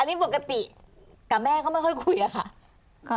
นี่ปกติกับแม่ก็ไม่ค่อยคุยอะค่ะ